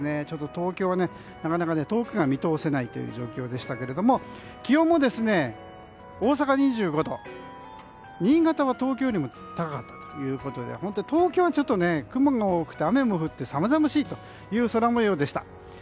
東京はなかなか遠くが見通せない状況でしたけれども気温も大阪２５度新潟は東京よりも高かったということで本当に東京は雲が多くて雨も降って寒々しいという空模様でした。